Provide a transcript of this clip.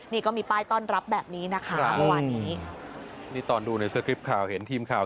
นี่ก็มีป้ายต้อนรับแบบนี้นะคะเมื่อวานนี้นี่ตอนดูในสคริปข่าวเห็นทีมข่าว